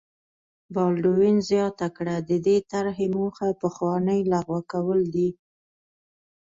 بالډوین زیاته کړه د دې طرحې موخه پخوانۍ لغوه کول دي.